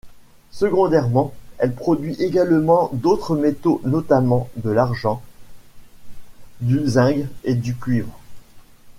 Secondairement, elle produit également d'autres métaux, notamment de l'argent, du zinc et du cuivre.